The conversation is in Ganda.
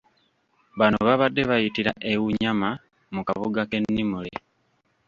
Bano babade bayitira e Unyama mu kabuga k'e Nimule.